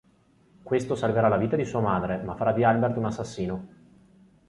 Questo salverà la vita di sua madre ma farà di Albert un assassino.